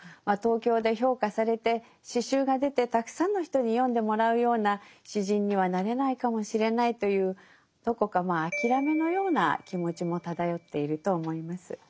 まあ東京で評価されて詩集が出てたくさんの人に読んでもらうような詩人にはなれないかもしれないというどこかあきらめのような気持ちも漂っていると思います。